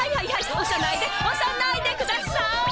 おさないでおさないでください。